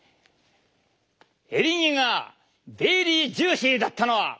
エリンギがベリージューシーだったのは。